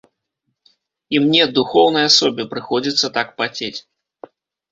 І мне, духоўнай асобе, прыходзіцца так пацець.